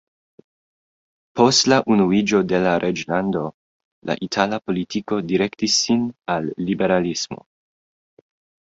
Post la unuiĝo de la Reĝlando la itala politiko direktis sin al liberalismo.